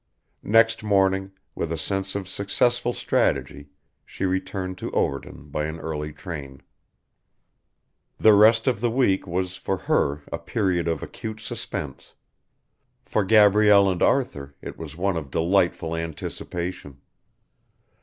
Next morning, with a sense of successful strategy, she returned to Overton by an early train. The rest of the week was for her a period of acute suspense. For Gabrielle and Arthur it was one of delightful anticipation.